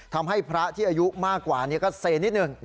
ทำให้พระที่อายุมากกว่านี้ก็เซนิดหนึ่ง